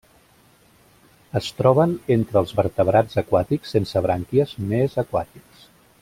Es troben entre els vertebrats aquàtics sense brànquies més aquàtics.